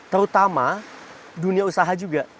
terutama dunia usaha juga